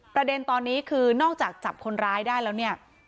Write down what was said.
ประเด็นตอนนี้คือนอกจากจับคนร้ายได้แล้วเนี่ย